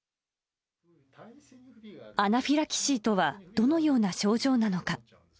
アナフィラキシーとはどのような症状なのか。